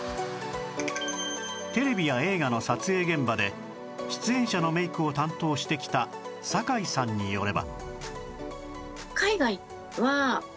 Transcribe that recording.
テレビや映画の撮影現場で出演者のメイクを担当してきた酒井さんによれば